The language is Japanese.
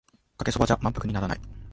かけそばじゃ満腹にならない